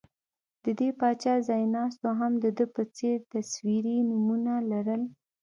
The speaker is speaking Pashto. د دې پاچا ځایناستو هم د ده په څېر تصویري نومونه لرل